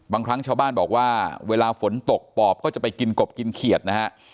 บางครั้งชาวบ้านบอกว่าเวลาฝนตกปอบก็จะไปกินกบกินเขียดนะฮะ